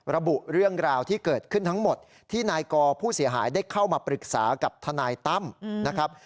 ระบุเรื่องราวที่เกิดขึ้นทั้งหมดที่นายกอผู้เสียหายได้เข้ามาปรึกษากับทนายตั้มนะครับ